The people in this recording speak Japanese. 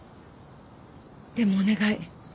でもお願い。